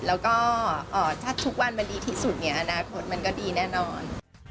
แล้วก็ถ้าทุกวันมันดีที่สุดเนี่ยอนาคตมันก็ดีแน่นอน